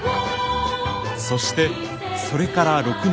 そしてそれから６年。